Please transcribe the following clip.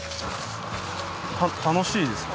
楽しいですか？